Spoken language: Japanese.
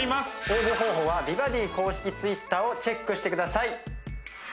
応募方法は美バディ公式Ｔｗｉｔｔｅｒをチェックしてください